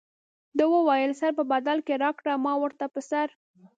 ده وویل سر په بدل کې راکړه ما ورته په سر.